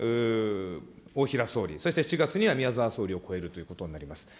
大平総理、そして７月には宮沢総理を超えるということになります。